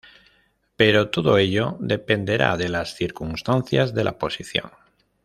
Pero todo ello dependerá de las circunstancias de la posición.